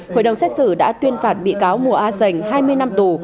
hội đồng xét xử đã tuyên phạt bị cáo mùa a sành hai mươi năm tù